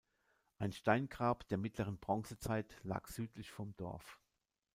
Ein Steingrab der mittleren Bronzezeit lag südlich vom Dorf.